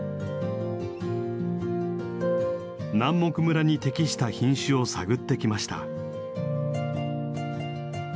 南牧村に適した品種を探ってきました。